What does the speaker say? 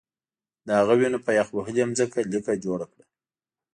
د هغه وینو په یخ وهلې ځمکه لیکه جوړه کړه